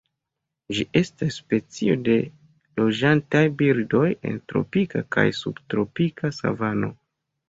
Ĝi estas specio de loĝantaj birdoj en tropika kaj subtropika savano.